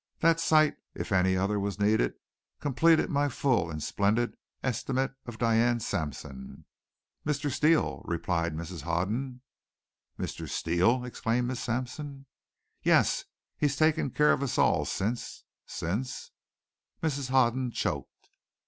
That sight, if any other was needed, completed my full and splendid estimate of Diane Sampson. "Mr. Steele," replied Mrs. Hoden. "Mr. Steele!" exclaimed Miss Sampson. "Yes; he's taken care of us all since since " Mrs. Hoden choked.